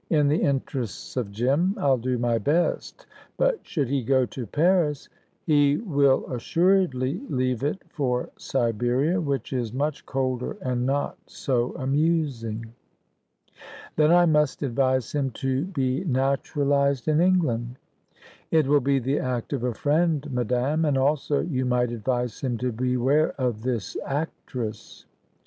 "In the interests of Jim, I'll do my best; but should he go to Paris " "He will assuredly leave it for Siberia, which is much colder and not so amusing." "Then I must advise him to be naturalised in England." "It will be the act of a friend, madame. And also, you might advise him to beware of this actress."